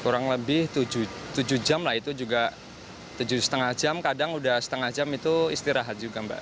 kurang lebih tujuh jam lah itu juga tujuh lima jam kadang udah setengah jam itu istirahat juga mbak